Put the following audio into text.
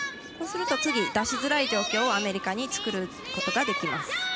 そうすると次に出しづらい状況をアメリカに作ることができます。